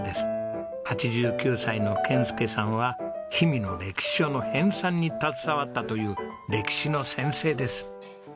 ８９歳の謙輔さんは氷見の歴史書の編纂に携わったという歴史の先生です。